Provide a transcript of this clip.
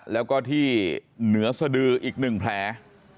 แล้วก็ที่เหนือสดืออีก๑แผล